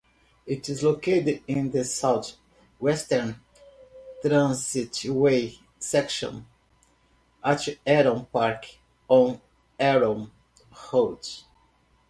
It is located in the south-eastern transitway section at Heron Park on Heron Road.